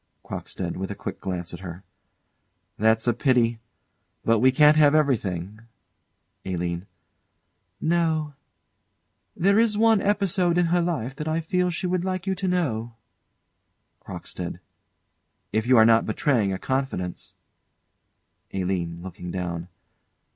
CROCKSTEAD. [With a quick glance at her.] That's a pity. But we can't have everything. ALINE. No. There is one episode in her life that I feel she would like you to know CROCKSTEAD. If you are not betraying a confidence ALINE. [_Looking down.